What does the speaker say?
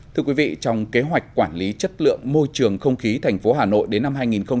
trong kế hoạch quản lý chất lượng môi trường không khí thành phố hà nội đến năm hai nghìn ba mươi